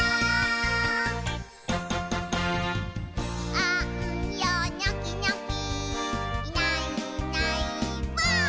「あんよニョキニョキいないいないばぁ！」